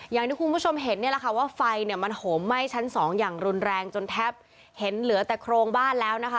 อย่างที่คุณผู้ชมเห็นนี่แหละค่ะว่าไฟเนี่ยมันโหมไหม้ชั้นสองอย่างรุนแรงจนแทบเห็นเหลือแต่โครงบ้านแล้วนะคะ